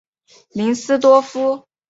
林斯多夫。